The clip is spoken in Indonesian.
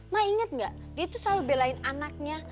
mah inget gak dia tuh selalu belain anaknya